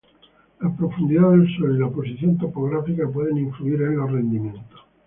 La profundidad del suelo y la posición topográfica pueden influir en los rendimientos.